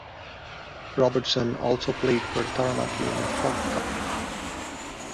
Robertson also played for Taranaki in the Hawke Cup.